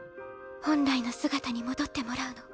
本来の姿に戻ってもらうの。